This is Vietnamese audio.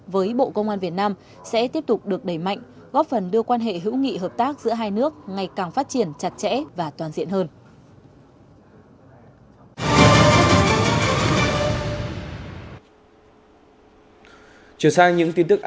với bộ công an việt nam sẽ tiếp tục được đẩy mạnh góp phần đưa quan hệ hữu nghị hợp tác giữa hai nước ngày càng phát triển chặt chẽ và toàn diện hơn